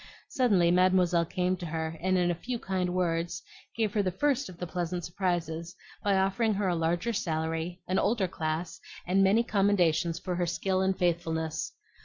Suddenly Mademoiselle came to her, and in a few kind words gave her the first of the pleasant surprises by offering her a larger salary, an older class, and many commendations for her skill and faithfulness.